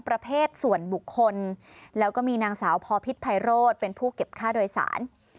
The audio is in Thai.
ประเภทส่วนบุคคลแล้วก็มีนางสาวพอพิษภัยโรธเป็นผู้เก็บค่าโดยสาร